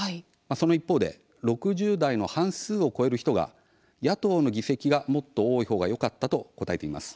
一方で６０代の半数を超える人が野党の議席がもっと多いほうがよかったと答えています。